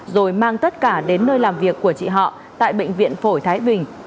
rồi mang tất cả đến nơi làm việc của chị họ tại bệnh viện phổi thái bình